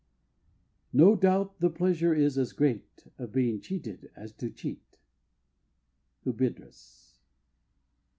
"No doubt the pleasure is as great, Of being cheated as to cheat." HUDIBRAS.